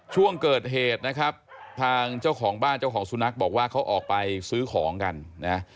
ช่วงเกิดเหตุนะครับทางเจ้าของบ้านเจ้าของสุนัขบอกว่าเขาออกไปซื้อของกันนะ